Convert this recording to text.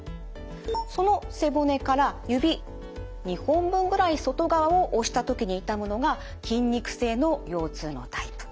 その背骨から指２本分ぐらい外側を押した時に痛むのが筋肉性の腰痛のタイプ。